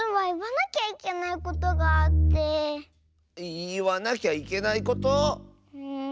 いわなきゃいけないこと⁉うん。